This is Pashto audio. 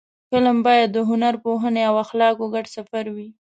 فلم باید د هنر، پوهنې او اخلاقو ګډ سفر وي